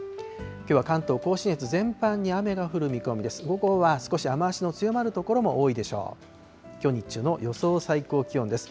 きょうは関東甲信越全般に雨が降る見込みです。